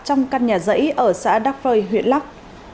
trong căn nhà rẫy ở xã đắk phơi huyện lắk